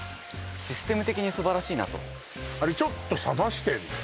システム的に素晴らしいなとあれちょっと冷ましてんの？